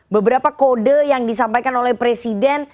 beberapa kode yang disampaikan oleh presiden